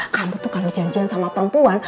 kamu tuh kalau janjian sama perempuan